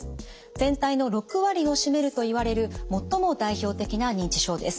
全体の６割を占めるといわれる最も代表的な認知症です。